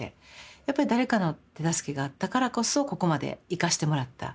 やっぱり誰かの手助けがあったからこそここまで生かしてもらった。